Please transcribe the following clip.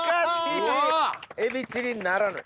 エビチリならぬ。